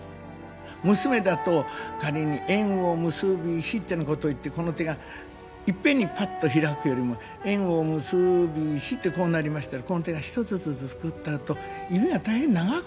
娘だと仮に「縁を結びし」ってなこと言ってこの手がいっぺんにパッと開くよりも「縁を結びし」ってこうなりましたらこの手が一つずつ作ったあと指が大変長く感じる。